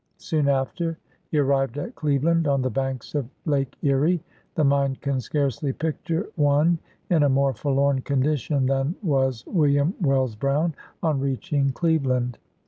Soon after, he arrived at Cleveland, on the banks of Lake Erie. The mind can scarcely picture one in a more forlorn condition than was William Wells Brown on reach ing Cleveland.